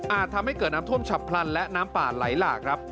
ทำให้เกิดน้ำท่วมฉับพลันและน้ำป่าไหลหลากครับ